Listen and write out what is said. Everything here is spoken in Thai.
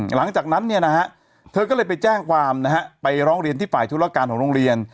หลังจากนั้นเนี่ยนะฮะเธอก็เลยไปแจ้งความนะฮะไปร้องเรียนที่ฝ่ายธุรการของโรงเรียน